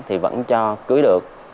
thì vẫn cho cưới được